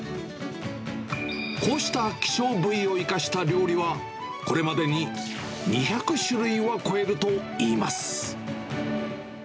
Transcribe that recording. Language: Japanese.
こうした希少部位を生かした料理は、これまでに２００種類は超えるといいます。